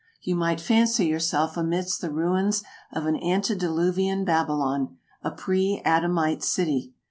You might fancy yourself amidst the ruins of an antediluvian Babylon, a pre Adamite city.